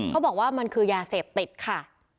เขาบอกว่ามันคือยาเสพติดค่ะ